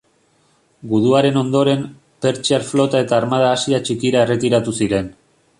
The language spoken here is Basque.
Guduaren ondoren, persiar flota eta armada Asia Txikira erretiratu ziren.